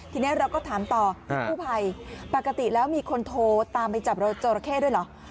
ทีนี้เราก็ถามต่อกู้ภัยปกติแล้วมีคนโทรตามไปจับจอราเข้ด้วยเหรอ